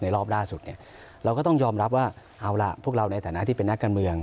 รอบล่าสุดเนี่ยเราก็ต้องยอมรับว่าเอาล่ะพวกเราในฐานะที่เป็นนักการเมือง